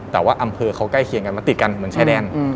แต่ว่าอำเภอเขาใกล้เคียงกันมันติดกันเหมือนชายแดน